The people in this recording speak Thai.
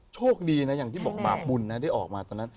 โชคดีนะอย่างที่บอกบาปบุญนะได้ออกมาตอนนั้น